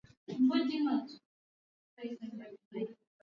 Ugonjwa huu mara nyingi hudumu kwa majuma manne hadi sita